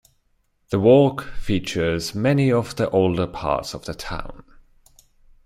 The walk features many of the older parts of the town.